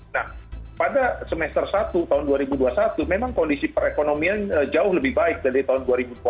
nah pada semester satu tahun dua ribu dua puluh satu memang kondisi perekonomian jauh lebih baik dari tahun dua ribu dua puluh